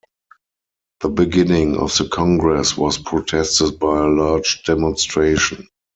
The beginning of the Congress was protested by a large demonstration.